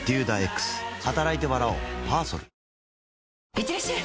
いってらっしゃい！